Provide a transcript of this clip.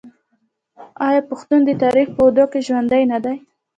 آیا پښتون د تاریخ په اوږدو کې ژوندی نه دی؟